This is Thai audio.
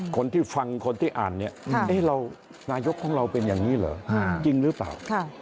คนที่ฟังคนที่อ่านเนี่ยนายกของเราเป็นอย่างนี้เหรอจริงหรือเปล่า